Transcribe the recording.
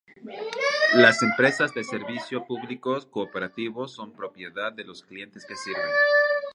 Las empresas de servicios públicos cooperativos son propiedad de los clientes que sirven.